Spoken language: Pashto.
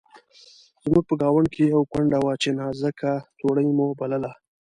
زموږ په ګاونډ کې یوه کونډه وه چې نازکه توړۍ مو بلله.